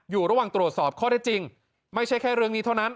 อยู่ระหว่างตรวจสอบข้อได้จริงไม่ใช่แค่เรื่องนี้เท่านั้น